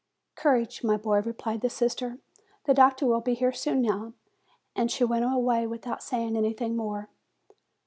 "Courage, my boy," replied the sister; "the doctor will be here soon now." And she went away with out saying anything more.